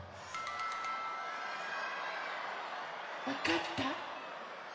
わかった？